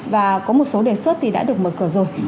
và có một số đề xuất thì đã được mở cửa rồi